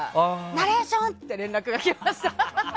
「ナレーション！」って連絡が来ました。